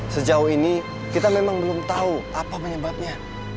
sejauh ini kita memang belum tahu apa penyebabnya